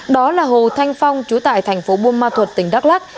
đó là hồ thanh phong chú tại thành phố buôn ma thuật tỉnh đắk lắc